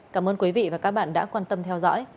cảm ơn quý vị và các bạn đã quan tâm theo dõi